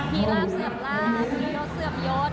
มีลาปเสื่อมลาบมียอดเสื่อมยอด